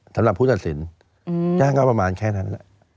สำหรับผู้ตัดสินจ้างก็ประมาณแค่นั้นแหละ